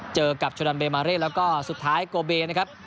เจอกับโชดันเบมาเร่แล้วก็สุดท้ายโกเบนะครับ